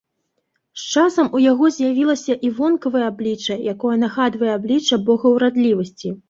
З часам у яго з'явілася і вонкавае аблічча, якое нагадвае аблічча бога ўрадлівасці.